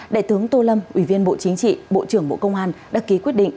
đại tướng tô lâm ủy viên bộ chính trị bộ trưởng bộ công an đã ký quyết định